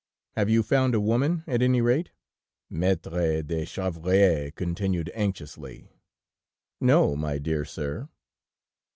"'Have you found a woman, at any rate?' Maître de Chevrier continued anxiously. "'No, my dear sir!'